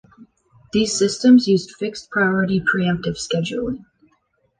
These systems used Fixed priority pre-emptive scheduling.